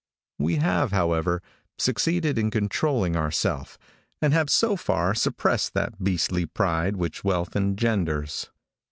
We have, however, succeeded in controlling ourself, and have so far suppressed that beastly pride which wealth engenders.